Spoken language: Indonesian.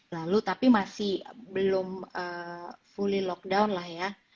lalu tapi masih belum fully lockdown lah ya